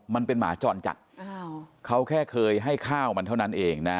มันเป็นหมาจรจัดเขาแค่เคยให้ข้าวมันเท่านั้นเองนะ